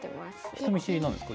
人見知りなんですか？